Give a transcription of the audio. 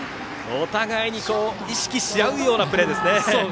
お互いに意識し合うようなプレーですね。